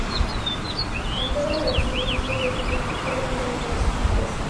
A mitad de la grabación del disco, Gary Young fue reemplazado por Steve West.